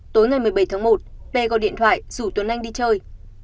tối ngày một mươi bảy tháng một p gọi điện thoại rủ tuấn anh đi chơi